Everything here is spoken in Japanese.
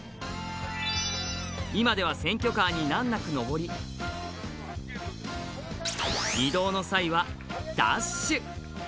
今では選挙カーに難なく上り、移動の際はダッシュ。